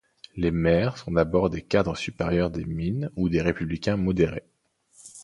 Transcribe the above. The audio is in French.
Les maires sont d'abord des cadres supérieurs des Mines ou des républicains modérés.